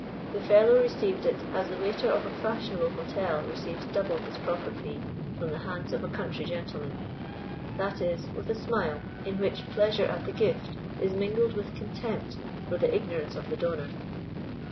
The fellow received it as the waiter of a fashionable hotel receives double his proper fee from the hands of a country gentleman—that is, with a smile, in which pleasure at the gift is mingled with contempt for the ignorance of the donor.